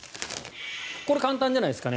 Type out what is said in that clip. これ、簡単じゃないですかね。